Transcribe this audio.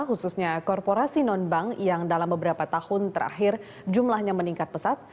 khususnya korporasi non bank yang dalam beberapa tahun terakhir jumlahnya meningkat pesat